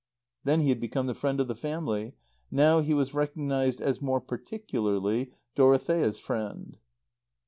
Then he had become the friend of the family. Now he was recognized as more particularly Dorothea's friend.